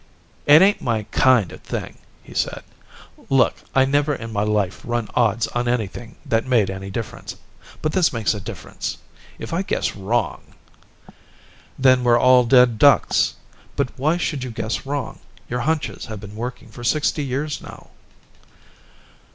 "It ain't my kind of thing," he said. "Look, I never in my life run odds on anything that made any difference. But this makes a difference. If I guess wrong " "Then we're all dead ducks. But why should you guess wrong? Your hunches have been working for sixty years now."